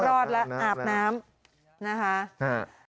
โอ้ยอาบน้ำอาบน้ำรอดแล้วอาบน้ำนะคะ